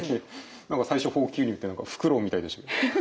何か最初ホー吸入って何かフクロウみたいでしたけど。